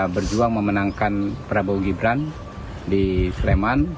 berjuang memenangkan prabowo gibran di sleman